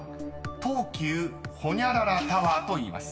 ［東急ホニャララタワーといいます］